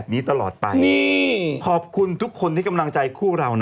กี่ทีก็ชื่นใจเนอะ